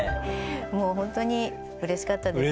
もうほんとにうれしかったですね。